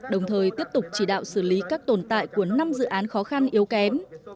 đồng thời tiếp tục chỉ đạo xử lý các tồn tại của năm dự án khó khăn yếu kém